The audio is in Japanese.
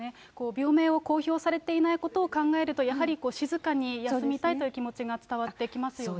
病名を公表されていないことを考えると、やはり静かに休みたいという気持ちが伝わってきますよね。